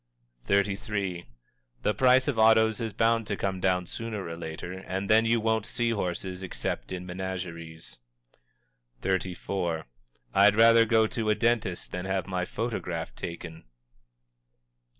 _" XXXIII. "The price of autos is bound to come down sooner or later, and then you won't see horses except in menageries." XXXIV. "_I'd rather go to a dentist than have my photograph taken.